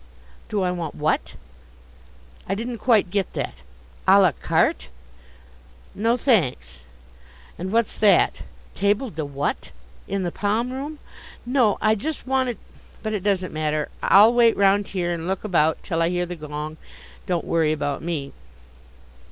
Do I want what? I didn't quite get that a la carte? No, thanks and, what's that? table de what? in the palm room? No, I just wanted but it doesn't matter. I'll wait 'round here and look about till I hear the gong. Don't worry about me.